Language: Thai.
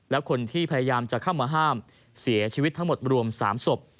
และคนที่พยายามจะเข้ามาห้ามเสียชีวิตทั้งหมดรวม๓ศพ